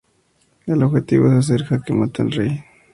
El objetivo es hacer jaque mate al rey.